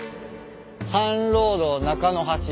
「サンロード中の橋」